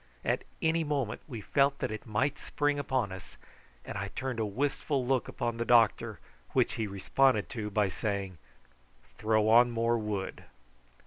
At any moment we felt that it might spring upon us, and I turned a wistful look upon the doctor, which he responded to by saying: "Throw on more wood."